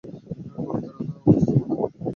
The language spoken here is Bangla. পবিত্রা, উপস্থাপনা।